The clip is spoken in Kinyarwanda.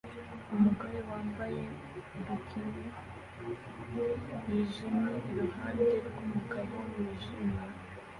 Umugore wambaye bikini yijimye iruhande rwumugabo wijimye